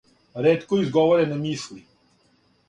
Ретко изговорене мисли.